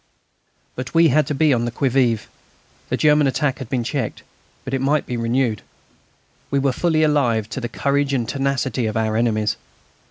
But we had to be on the qui vive. The German attack had been checked, but it might be renewed. We were fully alive to the courage and tenacity of our enemies.